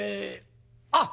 あっ！